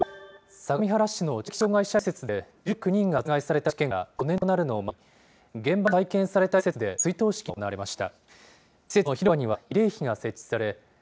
相模原市の知的障害者施設で、１９人が殺害された事件から５年となるのを前に、現場に再建された施設で、追悼式が行われました。